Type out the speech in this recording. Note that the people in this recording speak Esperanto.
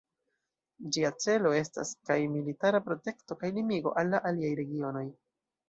Ĝia celo estas kaj militara protekto, kaj limigo al la aliaj regionoj.